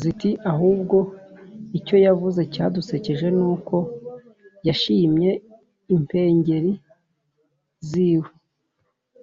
ziti: «ahubwo icyo yavuze cyadusekeje ni uko yashimye impengeri z'iwe